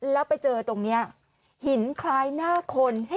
แล้วไปเจอตรงนี้หินคล้ายหน้าคน